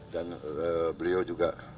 dan beliau juga broken